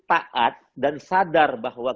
taat dan sadar bahwa